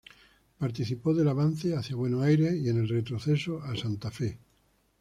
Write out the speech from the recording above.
Participó del avance hacia Buenos Aires y en el retroceso a Santa Fe.